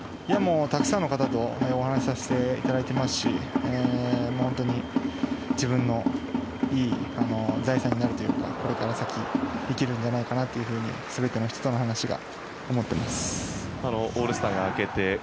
たくさんの方とお話しさせていただいてますし本当に自分のいい財産になるというかこれから先生きるんじゃないかなと全ての人の話が。